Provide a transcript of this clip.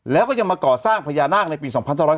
แล้วก็ยังมาก่อสร้างพญานาคในปี๒๕๖๒